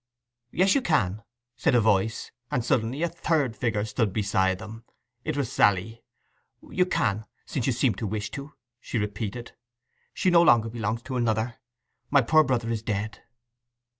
'Yes you can,' said a voice; and suddenly a third figure stood beside them. It was Sally. 'You can, since you seem to wish to?' she repeated. 'She no longer belongs to another ... My poor brother is dead!